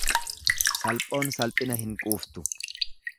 Salphoon salphina hin quuftu.